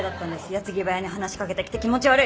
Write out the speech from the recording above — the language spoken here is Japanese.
矢継ぎ早に話し掛けてきて気持ち悪い。